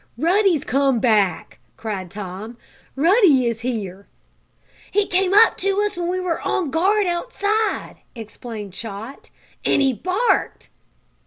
"Ruddy's come back!" cried Tom. "Ruddy is here!" "He came up to us when we were on guard outside," explained Chot. "And he barked!"